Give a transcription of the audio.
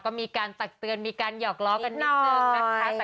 ก็มีการตักเตือนมีการหยอกล้อกันนิดนึงนะคะ